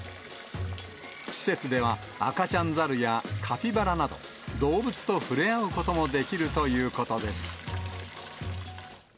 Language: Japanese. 施設では、赤ちゃんザルやカピバラなど、動物と触れ合うこともできるということです。